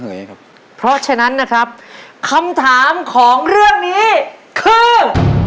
ครับเพราะฉะนั้นนะครับคำถามของเรื่องนี้คือ